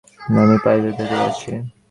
আমি পাইপের ভেতরে আছি।